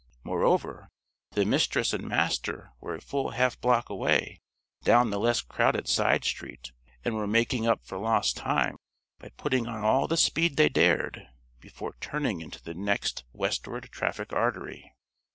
Moreover, the Mistress and Master were a full half block away, down the less crowded side street, and were making up for lost time by putting on all the speed they dared, before turning into the next westward traffic artery.